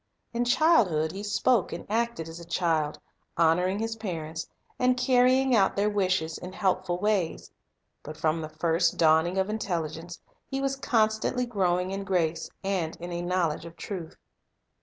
In childhood He spoke and acted as Natural Development a child, honoring His parents, and carrying out their wishes in helpful ways. But from the first dawning of intelligence He was constantly growing in grace and in a knowledge of truth.